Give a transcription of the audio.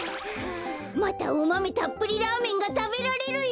またおマメたっぷりラーメンがたべられるよ。